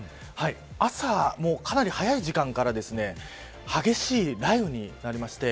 朝、かなり早い時間から激しい雷雨になりまして。